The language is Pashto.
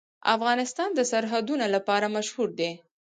افغانستان د سرحدونه لپاره مشهور دی.